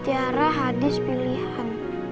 tiara hadis pilihan